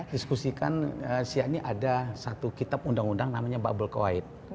diskusikan siak ini ada satu kitab undang undang namanya babel khoait